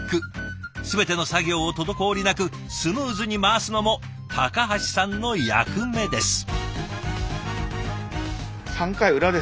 全ての作業を滞りなくスムーズに回すのも橋さんの役目です。